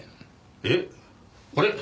えっ？あれ？